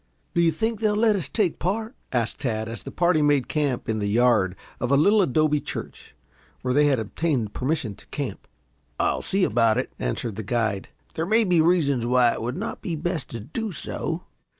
"Do you think they will let us take part?" asked Tad, as the party made camp in the yard of a little adobe church, where they had obtained permission to camp. "I'll see about it," answered the guide. "There may be reasons why it would not be best to do so."